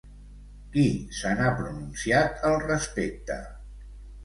Qui se n'ha pronunciat al respecte?